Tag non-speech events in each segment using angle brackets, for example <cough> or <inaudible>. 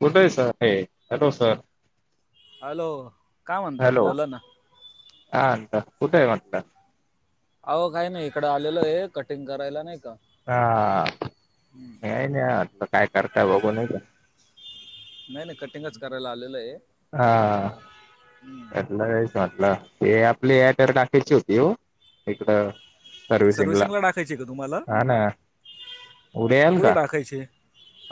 कुठे आहे सर हे हॅलो सर. हॅलो काय म्हणतात? हॅलो बोला ना. हा आता कुठ आहे म्हंटला? अहो काय नाही इकडं आलेलो आहे कटिंग करायला नाही का. हा. हम्म. काय नाही आता काय करताय बघू नाही का. नाही नाही कटिंगच करायला आलेलो आहे. हा. हम्म. आपलं हेच म्हटलं ते आपली या तर टाकायची होती ओ हिकडं सर्विसिंगला सर्व्हिसिंगला टाकायची का तुम्हाला हा ना उद्या याल कुठं का? टाकायची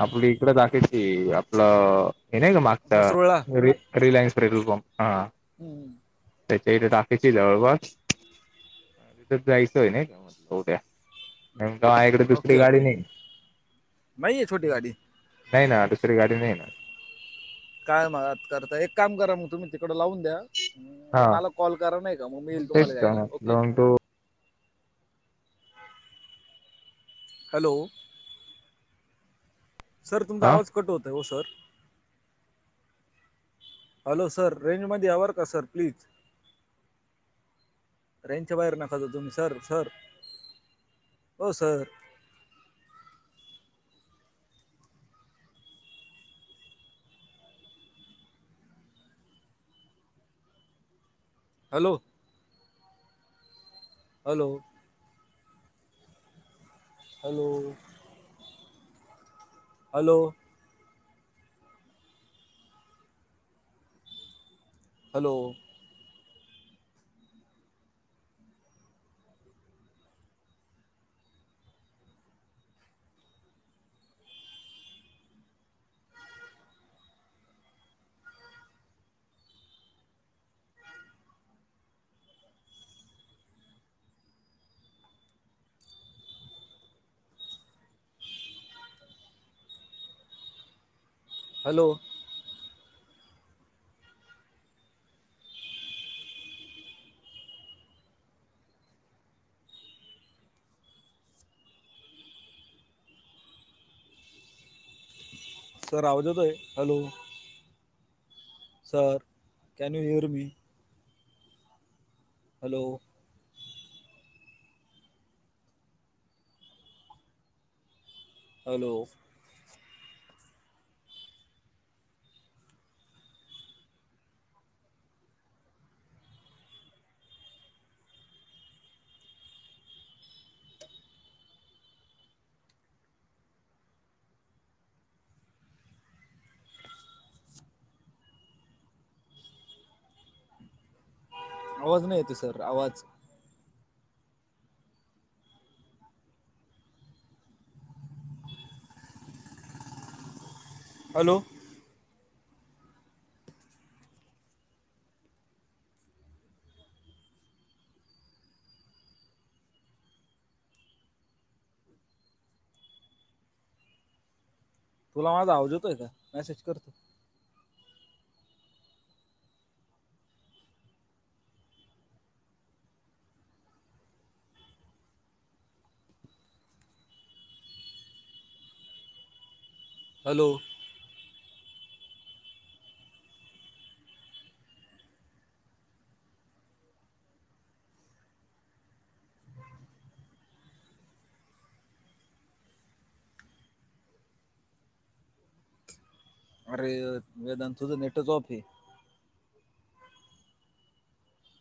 आपली इकडं दाखयची आपलं हे नाही का मागचा मसरूळला रि-रिलायन्स पेट्रोल पंप हा. हम्म. त्याच्या इथ टाकायची, जवळपास तिथं जायचंय ना उद्या. नेमकं <unintelligible> कडं दुसरी ओके गाडी ओके नाही. नाही आहे छोटी गाडी नाही ना दुसरी गाडी नाहीये. काय मग आ करताय, एक काम करा मग तुम्ही तिकड लावून द्या. ह मग हा मला कॉल करा नाही का, मग मी येईल तुम्हाला तेच तर घ्यायला म्हटलं ओके? मग तू हॅलो. सर तुमचा आ आवाज कट होतोय, ओ सर. हॅलो सर रेंजमध्ये या बर का सर प्लीज. रेंजच्या बाहेर नका जाऊ तुम्ही. सर सर ओ sir. Hello. Hello. Hello. Hello. Hello. Hello. Sir आवज येतोय? Hello. Sir can you hear me? Hello. Hello. आवाज नाय येत आहे सर आवाज. हॅलो. तुला माझा आवज येतोय का? मेसेज करतो. हॅलो. अरे वेदांत तुझं नेटच ऑफ हाय.